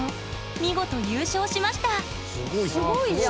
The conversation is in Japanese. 見事優勝しましたすごいじゃん。